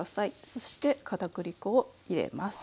そしてかたくり粉を入れます。